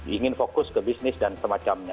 ingin fokus ke bisnis dan semacamnya